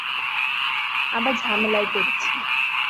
আবার ঝামেলায় পড়েছি।